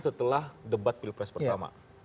setelah debat pilpres pertama